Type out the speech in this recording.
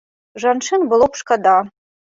Жанчын было б шкада.